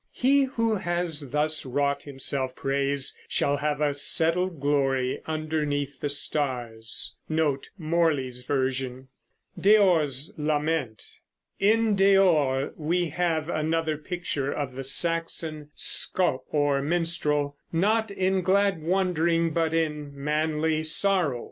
He who has thus wrought himself praise shall have A settled glory underneath the stars. DEOR'S LAMENT. In "Deor" we have another picture of the Saxon scop, or minstrel, not in glad wandering, but in manly sorrow.